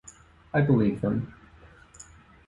I believe them.